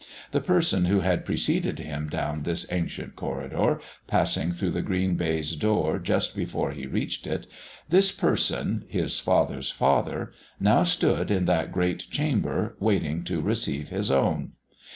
The person who had preceded him down this ancient corridor, passing through the green baize door just before he reached it, this person, his father's father, now stood in that great chamber, waiting to receive his own.